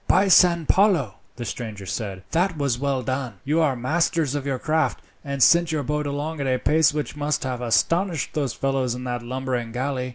"By San Paolo," the stranger said, "that was well done! You are masters of your craft, and sent your boat along at a pace which must have astonished those fellows in that lumbering galley.